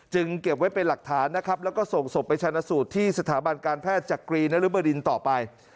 เก็บไว้เป็นหลักฐานนะครับแล้วก็ส่งศพไปชนะสูตรที่สถาบันการแพทย์จักรีนรุบดินต่อไป